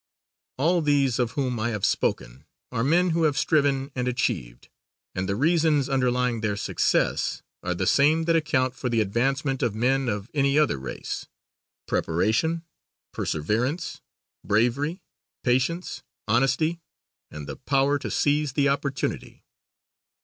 All these of whom I have spoken are men who have striven and achieved and the reasons underlying their success are the same that account for the advancement of men of any other race: preparation, perseverance, bravery, patience, honesty and the power to seize the opportunity.